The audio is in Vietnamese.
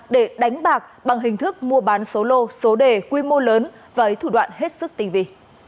để đánh bạc bằng hình thức mua bán số lô số đề quy mô lớn với thủ đoạn hết sức tình vị